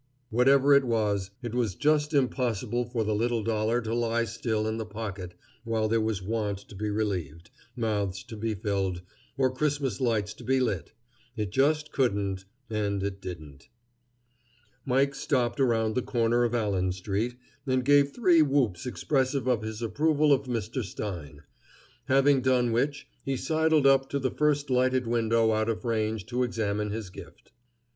Whatever it was, it was just impossible for the little dollar to lie still in the pocket while there was want to be relieved, mouths to be filled, or Christmas lights to be lit. It just couldn't, and it didn't. Mike stopped around the corner of Allen street, and gave three whoops expressive of his approval of Mr. Stein; having done which, he sidled up to the first lighted window out of range to examine his gift.